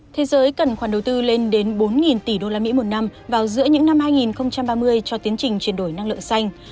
thế giới cần khoản đầu tư lên đến bốn tỷ usd một năm vào giữa những năm hai nghìn ba mươi cho tiến trình chuyển đổi năng lượng xanh